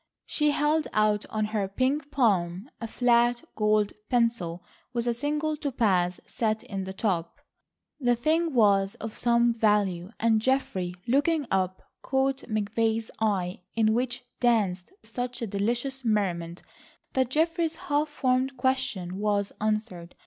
She held out on her pink palm a flat gold pencil with a single topaz set in the top. The thing was of some value and Geoffrey, looking up, caught McVay's eye in which danced such a delicious merriment that Geoffrey's half formed question was answered.